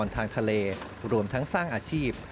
ทางทะเลรวมทั้งสร้างอาชีพ